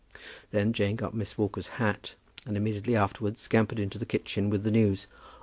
Then Jane got Miss Walker's hat, and immediately afterwards scampered into the kitchen with the news.